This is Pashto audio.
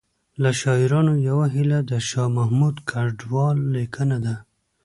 له شاعرانو یوه هیله د شاه محمود کډوال لیکنه ده